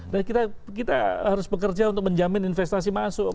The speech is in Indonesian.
dan kita harus bekerja untuk menjamin investasi masuk